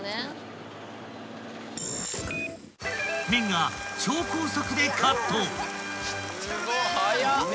［麺が超高速でカット］